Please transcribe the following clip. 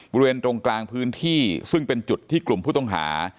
บริเวณตรงกลางพื้นที่ซึ่งเป็นจุดที่กลุ่มผู้ต้องหา